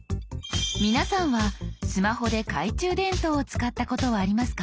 皆さんはスマホで懐中電灯を使ったことはありますか？